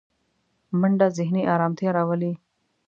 منډه ذهني ارامتیا راولي